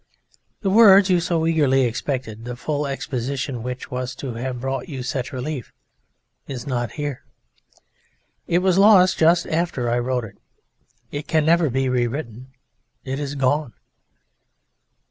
The words you so eagerly expected, the full exposition which was to have brought you such relief, is not here. It was lost just after I wrote it. It can never be re written; it is gone.